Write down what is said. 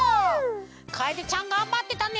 かえでちゃんがんばってたね！